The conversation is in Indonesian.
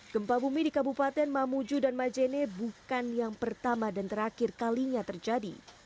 gempa bumi di kabupaten mamuju dan majene bukan yang pertama dan terakhir kalinya terjadi